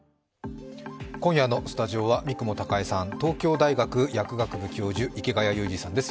今夜のスタジオは三雲孝江さん、東京大学薬学部教授、池谷裕二さんです。